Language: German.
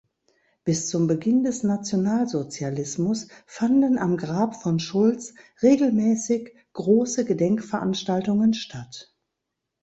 Bis zum Beginn des Nationalsozialismus fanden am Grab von Schulz regelmäßig große Gedenkveranstaltungen statt.